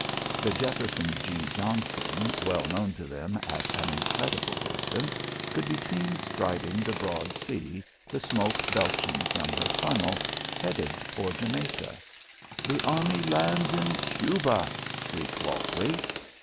The Jefferson G. Johnson, well known to them at an incredible distance, could be seen striding the broad sea, the smoke belching from her funnel, headed for Jamaica. "The Army Lands in Cuba!" shrieked Walkley.